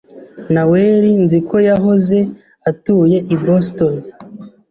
Naweri nzi ko yahoze atuye i Boston.